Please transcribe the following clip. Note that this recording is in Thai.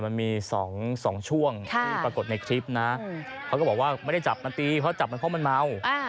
มันมี๒ช่วงที่ปรากฏในคลิปนะเขาก็บอกว่าไม่ได้จับมันตีเพราะจับมันเพราะมันเมา